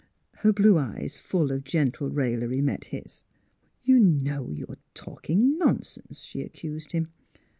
Her blue eyes, full of gentle raillery, met his. " You know you're talking nonsense! " she ac cused him.